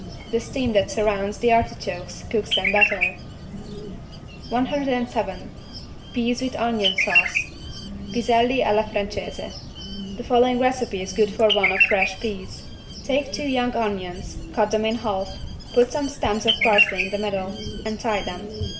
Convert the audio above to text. The steam that surrounds the artichokes cooks them better. 107 PEAS WITH ONION SAUCE (Piselli alla francese) The following recipe is good for one of fresh peas. Take two young onions, cut them in half, put some stems of parsley in the middle and tie them.